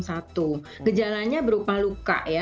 jadi ini sebenarnya berupa luka ya